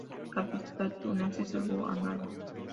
El capitán Turner se salvó a nado.